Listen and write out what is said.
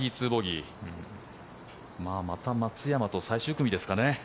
また松山と最終組ですかね。